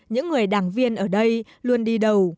những người đảng viên ở đây luôn đi đầu